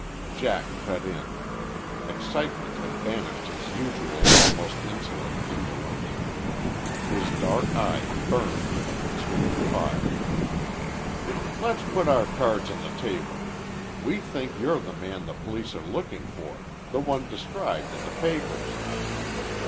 Jack cut in. Excitement had banished his usual almost insolent indolence. His dark eyes burned with a consuming fire. "Let's put our cards on the table. We think you're the man the police are looking for the one described in the papers."